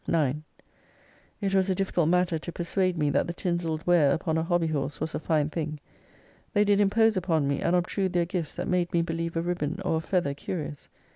9 It was a difficult matter to persuade me that the tinseled ware upon a hobby horse was a fine thing. They did impose upon me, and obtrude their gifts that made me believe a ribbon or a feather curious.